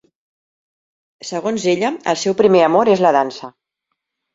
Segons ella, el seu primer amor és la dansa.